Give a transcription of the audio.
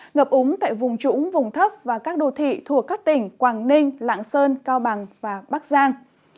ngập úng tại vùng trũng vùng thấp và các đô thị thuộc các tỉnh quảng ninh lạng sơn cao bằng và bắc giang